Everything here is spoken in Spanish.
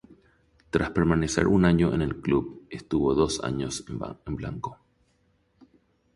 Tras permanecer un año en el club, estuvo dos años en blanco.